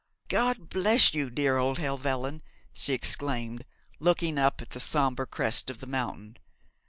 'God bless you, dear old Helvellyn,' she exclaimed, looking up at the sombre crest of the mountain.